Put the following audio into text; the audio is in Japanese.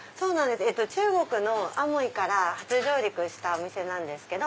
中国の厦門から初上陸したお店なんですけど。